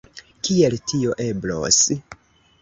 Kiel tio eblos?